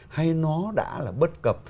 hay nó đã là bất cập